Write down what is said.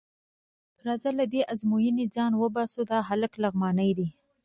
راځه له دې ازموینې ځان وباسه، دا هلک لغمانی دی.